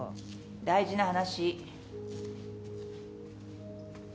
大事な話。